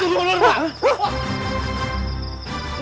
tuh di situ